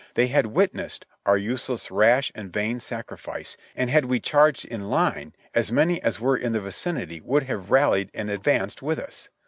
They had witnessed our useless rush and vain sacrifice, and had we charged in line as many as were in the vicinity would have rallied and advanced with us.